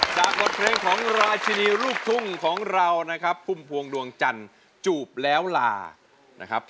จากบทเพลงของราชินีลูกทุ่งของเรานะครับพุ่มพวงดวงจันทร์จูบแล้วลานะครับ